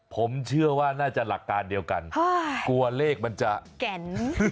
ผมเชื่อว่าน่าจะหลักการเดียวกันกลัวเลขมันจะแก่น